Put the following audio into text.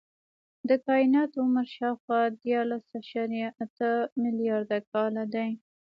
د کائنات عمر شاوخوا دیارلس اعشاریه اته ملیارده کاله دی.